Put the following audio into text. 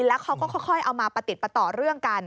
แล้วเขาก็ค่อยเอามาประติดประต่อเรื่องกัน